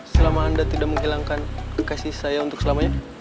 selama anda tidak menghilangkan kekasih saya untuk selamanya